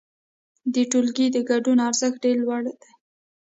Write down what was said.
د ټولګي د ګډون ارزښت ډېر لوړ دی.